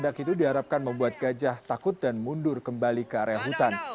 tindak itu diharapkan membuat gajah takut dan mundur kembali ke area hutan